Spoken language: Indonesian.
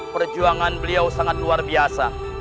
perjuangan beliau sangat luar biasa